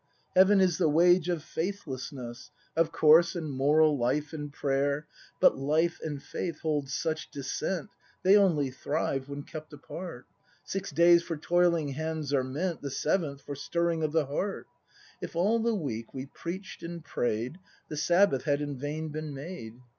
Heaven is the wage of faithfuhiess. Of course, and moral life, and prayer. But life and faith hold such dissent. They only thrive, when kept apart; Six days for toiling hands are meant. The seventh, for stirring of the heart; If all the week we preach'd and pray'd. The Sabbath had in vain been made.